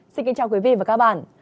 xin kính chào quý vị và các bạn